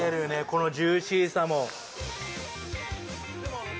このジューシーさも。